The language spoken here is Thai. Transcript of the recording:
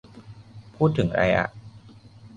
พูดถึงไรอะ